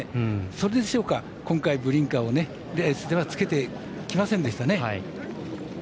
それでしょうか今回、ブリンカーを着けてきませんでしたね。